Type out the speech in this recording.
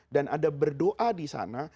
dan ada berdoa di sana